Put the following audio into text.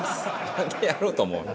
「なんでやろうと思うの？」